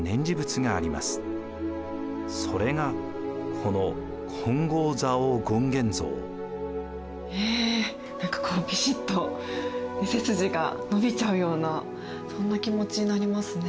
それがこのえ何かこうびしっと背筋が伸びちゃうようなそんな気持ちになりますね。